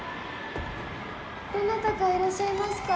どなたかいらっしゃいますか？